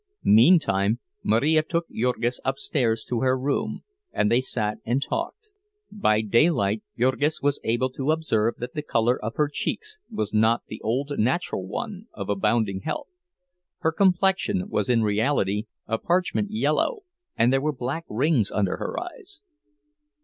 Meantime, Marija took Jurgis upstairs to her room, and they sat and talked. By daylight, Jurgis was able to observe that the color on her cheeks was not the old natural one of abounding health; her complexion was in reality a parchment yellow, and there were black rings under her eyes.